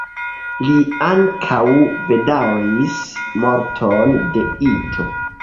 Li ankaŭ bedaŭris morton de Ito.